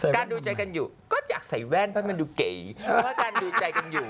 การดูใจกันอยู่ก็อยากใส่แว่นเพราะมันดูเก๋